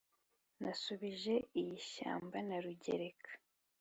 Nashubije iy'ishyamba na Rugereka